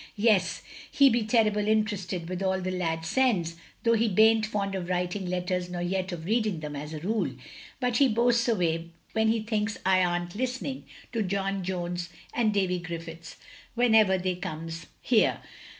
"Yes, he be terrible interested with all the lad sends, though he baint fond of writing letters nor yet of reading them, as a rule. But he boasts away when he thinks I are n't listening, to John Jones and Davy Griffiths, whenever they comes 146 THE LONELY LADY here.